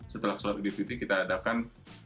setelah sholat idul fitri kita adakan